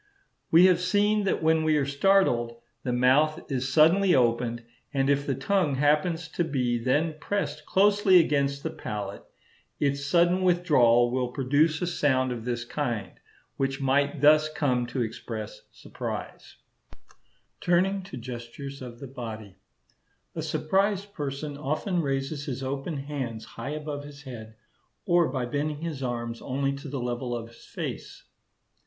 We have seen that when we are startled, the mouth is suddenly opened; and if the tongue happens to be then pressed closely against the palate, its sudden withdrawal will produce a sound of this kind, which might thus come to express surprise. Gestures of the Body. Plate VII Turning to gestures of the body. A surprised person often raises his opened hands high above his head, or by bending his arms only to the level of his face.